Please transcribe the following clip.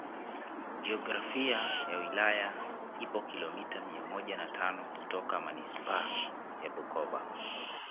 Jiografia ya wilaya ipo kilomita mia moja na tano kutoka Manispaa ya Bukoba